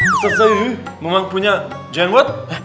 ustadz zainuyuy memang punya jenggot